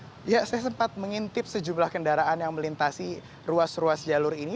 ya saya sempat mengintip sejumlah kendaraan yang melintasi ruas ruas jalur ini